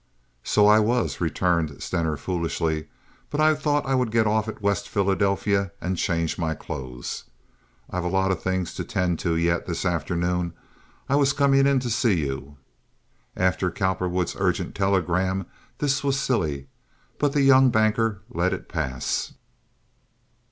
"So I was," returned Stener, foolishly, "but I thought I would get off at West Philadelphia and change my clothes. I've a lot of things to 'tend to yet this afternoon. I was coming in to see you." After Cowperwood's urgent telegram this was silly, but the young banker let it pass.